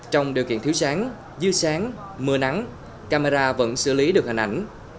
trong điều kiện thiếu sáng dưới sáng mưa nắng camera vẫn xử lý được hình ảnh